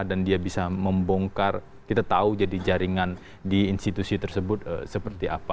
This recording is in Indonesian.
dan dia bisa membongkar kita tahu jadi jaringan di institusi tersebut seperti apa